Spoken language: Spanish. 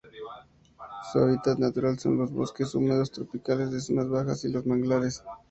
Su hábitat natural son los bosques húmedos tropicales de zonas bajas y los manglares.